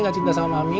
gak cinta sama mami